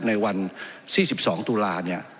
ในวันที่๒๒ตุลาเนี่ย